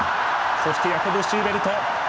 そして、ヤコブ・シューベルト